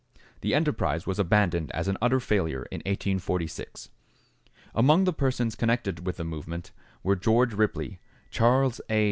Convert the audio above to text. The enterprise was abandoned as an utter failure in 1846. Among the persons connected with the movement were George Ripley, Charles A.